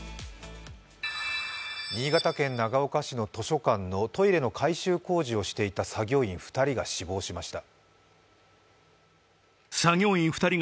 新潟県長岡市の図書館のトイレの改修工事をしていた作業員２人が死亡しました。